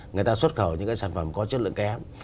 người ta xuất khẩu những cái sản phẩm có chất lượng kém